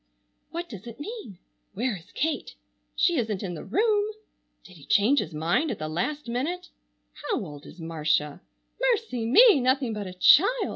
What does it mean? Where is Kate? She isn't in the room! Did he change his mind at the last minute? How old is Marcia? Mercy me! Nothing but a child!